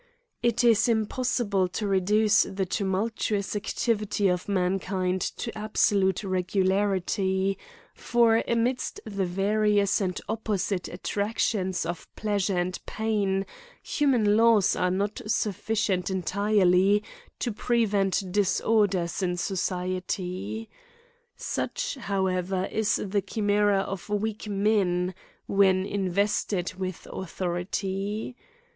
It is impossible to reduce the tumultuous activity of mankind to absolute regularity ; for, amidst the various and opposite attractions of pleasure and pain, human laws are not sufficient entirely to prevent disorders in society. Such, however is the chimera of weak men, when in vested with authority.